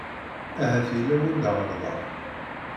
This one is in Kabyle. Ahat yella wanda ɣelḍeɣ.